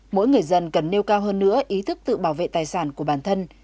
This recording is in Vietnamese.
mỗi người dân cần nêu cao hơn nữa ý thức tự bảo vệ tài sản của bản thân